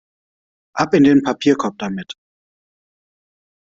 Ab in den Papierkorb damit!